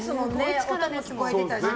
音も聞こえてたし。